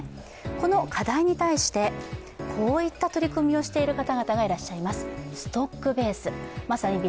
この課題に対して、こういった取り組みをしている方々がいます。